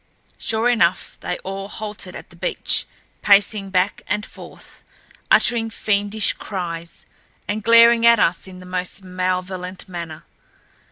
Sure enough, they all halted at the beach, pacing back and forth, uttering fiendish cries, and glaring at us in the most malevolent manner.